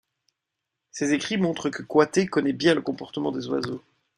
Ses écrits montrent que Coiter connaît bien le comportement des oiseaux.